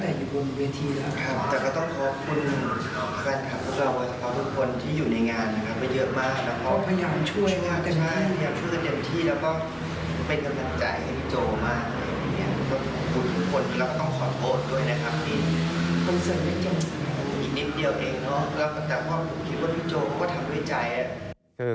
แต่ก็คิดว่าพี่โจก็ทำด้วยใจ